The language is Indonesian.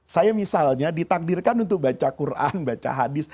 saya misalnya ditakdirkan untuk baca quran baca hadis